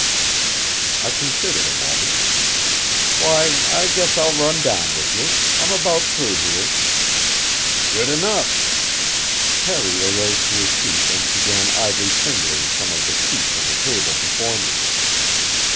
I considered a moment. "Why, I guess I'll run down with you. I'm about through here." "Good enough!" Harry arose to his feet and began idly fingering some of the sheets on the table before me.